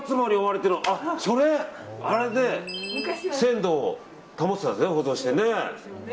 あれで鮮度保ってたんですね。